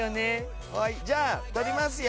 はいじゃあ撮りますよ。